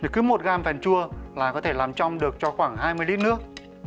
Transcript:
cứ một gram càn chua là có thể làm trong được cho khoảng hai mươi lít nước